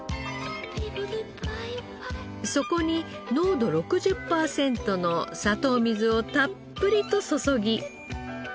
そこに濃度６０パーセントの砂糖水をたっぷりと注ぎ。